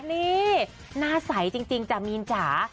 นี่หน้าใสจริงจ้ะมีนจ๋า